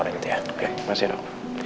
oke terima kasih dok